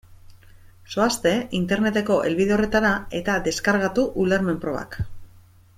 Zoazte Interneteko helbide horretara eta deskargatu ulermen-probak.